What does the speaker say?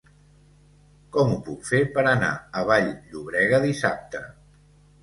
Com ho puc fer per anar a Vall-llobrega dissabte?